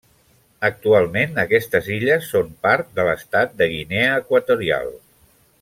Actualment aquestes illes són part de l'estat de Guinea Equatorial.